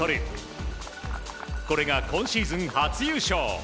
これが今シーズン初優勝。